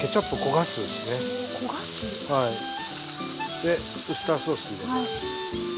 でウスターソース入れます。